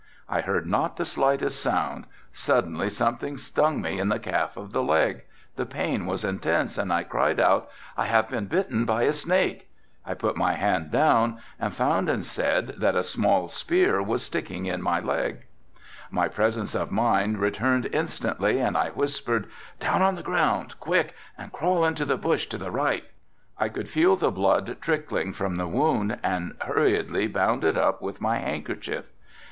I heard not the slightest sound, suddenly something stung me in the calf of the leg, the pain was intense and I cried out, "I have been bitten by a snake." I put my hand down and found instead that a small spear was sticking in my leg. My presence of mind returned instantly and I whispered, "down on the ground, quick and crawl into the bush to the right." I could feel the blood trickling from the wound and hurriedly bound it up with my handkerchief.